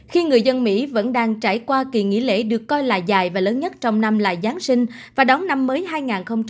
khi người dân mỹ vẫn đang trải qua kỳ nghỉ lễ được coi là dài và lớn nhất trong năm là giáng sinh và đón năm mới hai nghìn hai mươi